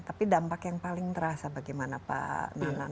tapi dampak yang paling terasa bagaimana pak nanang